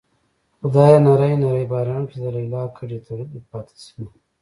خدايه نری نری باران کړې چې د ليلا ګډې تړلې پاتې شينه